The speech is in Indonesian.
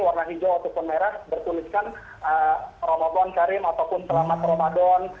warna hijau ataupun merah bertuliskan ramadan karim ataupun selamat ramadan